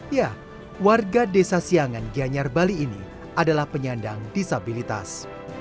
ya warga desa siangan gianyar bali ini adalah penyandang disabilitas